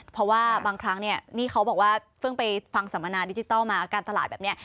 เพราะว่าบางครั้งเนี่ยนี่เขาบอกว่าเพิ่งไปฟังสัมมนาดิจิทัลมาการตลาดแบบนี้